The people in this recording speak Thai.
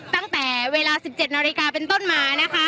ตั้งแต่เวลา๑๗นาฬิกาเป็นต้นมานะคะ